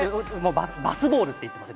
バスボールって言ってます。